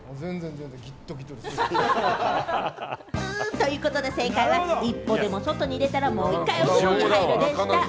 ということで正解は一歩でも外に出たら、もう一回、お風呂に入るでした。